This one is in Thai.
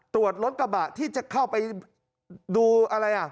ตรวจรถกระบะที่จะเข้าไปดูอะไรอ่ะ